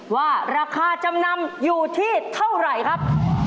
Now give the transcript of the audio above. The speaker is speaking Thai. ว่าราคาจำนำอยู่ที่เท่าไหร่ครับ